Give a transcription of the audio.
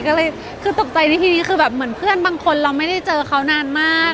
ก็เลยคือตกใจในทีนี้คือแบบเหมือนเพื่อนบางคนเราไม่ได้เจอเขานานมาก